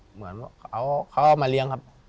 เหมือนเขาเอามาเลี้ยงครับ